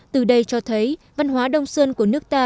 từ đây cho thấy văn hóa đông sơn của nước ta